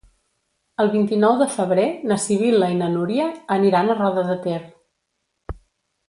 El vint-i-nou de febrer na Sibil·la i na Núria aniran a Roda de Ter.